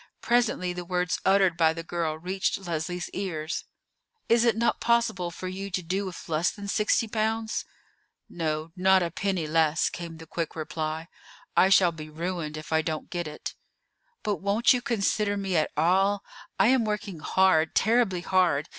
Presently the words uttered by the girl reached Leslie's ears. "Is it not possible for you to do with less than sixty pounds?" "No, not a penny less," came the quick reply. "I shall be ruined if I don't get it." "But won't you consider me at all? I am working hard, terribly hard.